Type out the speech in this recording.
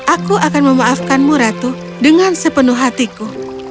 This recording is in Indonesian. aku akan memaafkanmu ratu dengan sepenuh hatiku